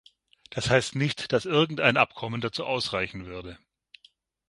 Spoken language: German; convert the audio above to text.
Das heißt nicht, dass irgendein Abkommen dazu ausreichen würde.